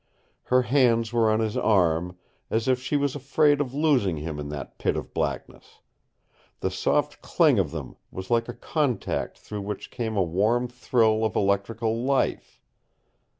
Her hands were on his arm, as if she was afraid of losing him in that pit of blackness; the soft cling of them was like a contact through which came a warm thrill of electrical life.